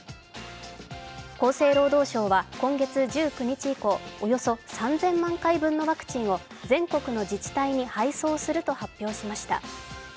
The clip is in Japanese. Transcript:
厚生労働省は今月１９日以降、およそ３０００万回分のワクチンを全国の自治体に配送すると発表しました。